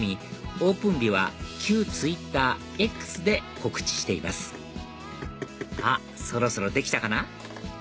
オープン日は旧ツイッターＸで告知していますあっそろそろできたかな？